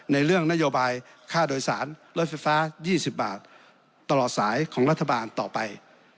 ในเรื่องนโยบายค่าโดยสารรถไฟฟ้า๒๐บาทตลอดสายของรัฐบาลต่อไป